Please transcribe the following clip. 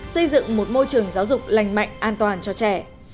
xây dựng một môi trường giáo dục lành mạnh an toàn cho trẻ